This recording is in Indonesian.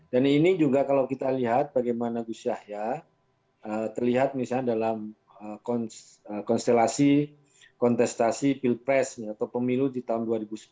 dan ini juga kalau kita lihat bagaimana gus yahya terlihat misalnya dalam konstelasi kontestasi pilpres atau pemilu di tahun dua ribu sembilan belas